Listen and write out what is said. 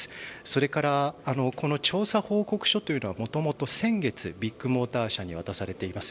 それからこの調査報告書というのは元々、先月ビッグモーター社に渡されています。